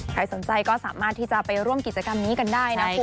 ใครสนใจก็สามารถที่จะไปร่วมกิจกรรมนี้กันได้นะคุณ